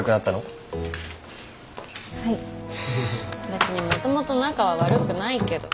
別にもともと仲は悪くないけど。